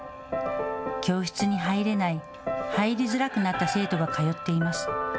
教室に入れない、入りづらくなった生徒が通っています。